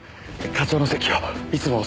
課長の説教いつも